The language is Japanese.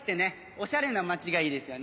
オシャレな街がいいですよね。